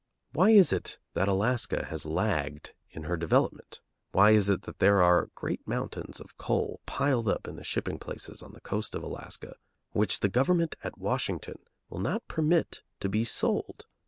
Why is it that Alaska has lagged in her development? Why is it that there are great mountains of coal piled up in the shipping places on the coast of Alaska which the government at Washington will not permit to be sold?